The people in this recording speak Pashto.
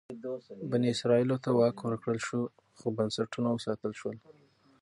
بني اسرائیلو ته واک ورکړل شو خو بنسټونه وساتل شول.